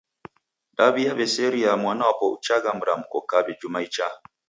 Daw'iaw'eseria mwanapo uchagha mramko kawi juma ichaa.